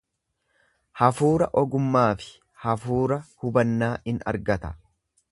Hafuura ogummaa fi hafuura hubannaa in argata.